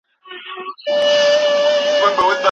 ښه انسان تل هڅه کوي